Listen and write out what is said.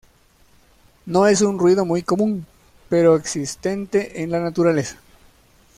No es un ruido muy común, pero existente en la naturaleza.